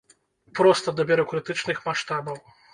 Проста да бюракратычных маштабаў.